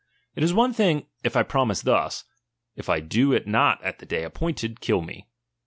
It is one thiiig, if I promise thus : if I do it not at the day appointed, kill me.